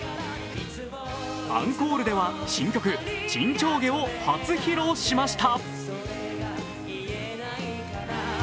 アンコールでは新曲「沈丁花」を初披露しました。